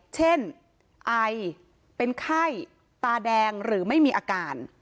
ไอเป็นไข้ตาแดงหรือไม่มีอาการ